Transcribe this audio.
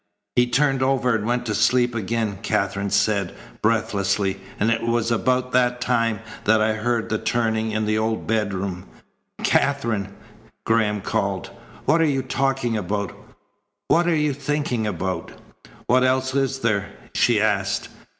"He turned over and went to sleep again!" Katherine said breathlessly, "and it was about that time that I heard the turning in the old bedroom." "Katherine!" Graham called. "What are you talking about? What are you thinking about?" "What else is there?" she asked.